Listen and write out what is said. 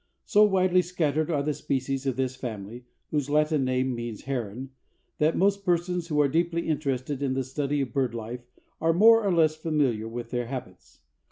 So widely scattered are the species of this family, whose Latin name means heron, that most persons who are deeply interested in the study of bird life are more or less familiar with their habits.